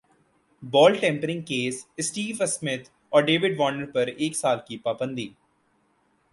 بال tampering case Steve Smith اور David Warner پر ایک سال کی پابندی